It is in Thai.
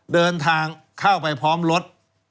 เดินทางเข้าไปพร้อมรถ